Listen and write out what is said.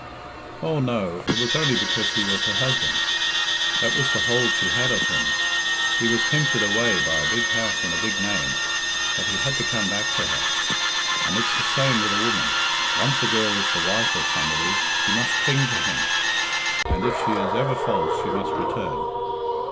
"Oh, no; it was only because he was her husband. That was the hold she had of him. He was tempted away by a big house and a big name, but he had to come back to her. And it's the same with a woman. Once a girl is the wife of somebody, she must cling to him, and if she is ever false she must return.